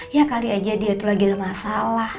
ya kali aja dia tuh lagi lemah salah